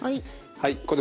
はい。